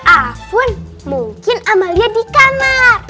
ah fun mungkin amalia di kamar